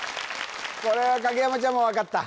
これは影山ちゃんも分かった？